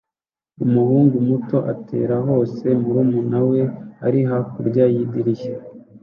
Umuhungu muto atera hose murumuna we uri hakurya yidirishya